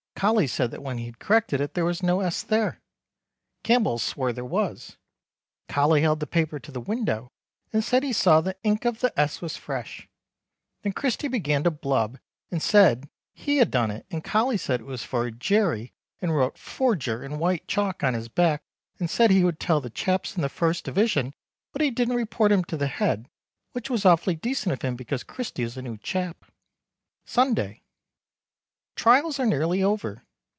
Colly said that when he'd corrected it there was no S there. Campbell swore their was. Colly held the paper to the window and said he saw the ink of the S was fresh, then Christy began to blub and said he had done it and Colly said it was a for jerry and wrote forjer in white chalk on his back and said he would tell the chaps in the first Div but he didn't report him to the Head which was awfully decent of him becaus Christy is a new chap. Sunday. Trials are nearly over.